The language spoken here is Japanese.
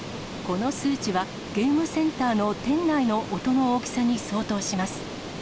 この数値は、ゲームセンターの店内の音の大きさに相当します。